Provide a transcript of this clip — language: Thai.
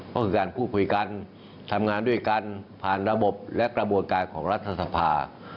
ก็คือการพูดคุยกันทำงานด้วยกันผ่านระบบและกระบวนการของรัฐสภา